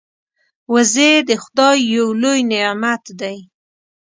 وزې د خدای یو لوی نعمت دی